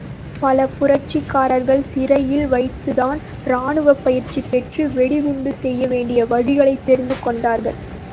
பல புரட்சிக்காரர்கள் சிறையில் வைத்துத்தான் ராணுவப் பயிற்சி பெற்று வெடிகுண்டு செய்யவேண்டிய வழிகளைத் தெரிந்து கொண்டார்கள்.